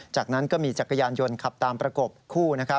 จากนั้นก็มีจักรยานยนต์ขับตามประกบคู่